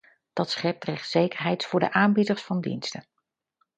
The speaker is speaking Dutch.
Dat schept rechtszekerheid voor de aanbieders van diensten.